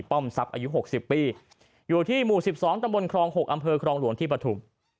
ป้อมศักดิ์อายุหกสิบปีอยู่ที่หมู่สิบสองตำบลครองหกอำเภอครองหลวงที่ปฐุม